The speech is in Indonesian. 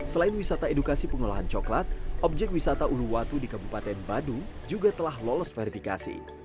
selain wisata edukasi pengolahan coklat objek wisata uluwatu di kabupaten badu juga telah lolos verifikasi